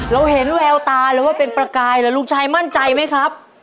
เราเห็นแววตาเลยว่าเป็นประกายแล้วลูกชายมั่นใจไหมครับ